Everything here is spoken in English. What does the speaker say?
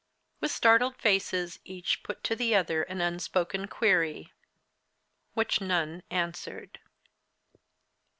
With startled faces each put to the other an unspoken query. Which none answered.